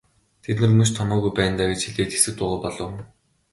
Та нар мөн ч томоогүй байна даа гэж хэлээд хэсэг дуугүй болов.